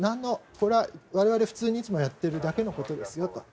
これは、我々が普通にいつもやっているだけのことですよと。